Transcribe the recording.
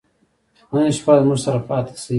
نن شپه زموږ سره پاته سئ.